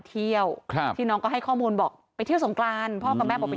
เที่ยวครับที่น้องก็ให้ข้อมูลบอกไปเที่ยวสงกรานพ่อกับแม่บอกไป